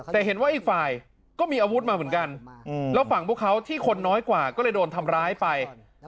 แต่เห็นว่าอีกฝ่ายก็มีอาวุธมาเหมือนกันแล้วฝั่งพวกเขาที่คนน้อยกว่าก็เลยโดนทำร้ายไป